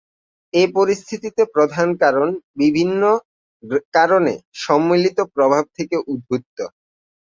এই পরিস্থিতির প্রধান কারণ বিভিন্ন কারণের সম্মিলিত প্রভাব থেকে উদ্ভূত।